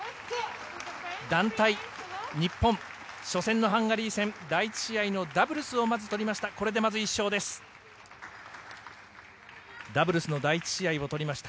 団体日本、初戦のハンガリー戦第１試合のダブルスをまず取りました。